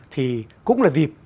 thì cũng là dịp